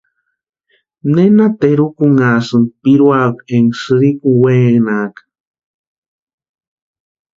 ¿Nena terukutanhasïni piruakwa enka sïrïkuni wenaka?